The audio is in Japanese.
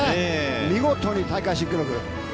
見事に大会新記録。